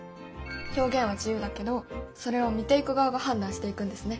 表現は自由だけどそれを見ていく側が判断していくんですね。